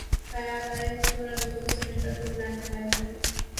خیال آیا کہ کیوں نہ دوستوں سے مل کر پروگرام بنایا جائے